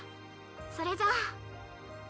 それじゃ。